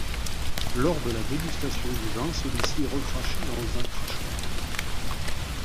Lors de la dégustation du vin, celui-ci est recraché dans un crachoir.